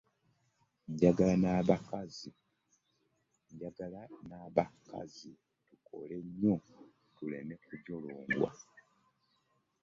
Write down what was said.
Njagala n'abakazi tukole nyo tuleme kujolongwa.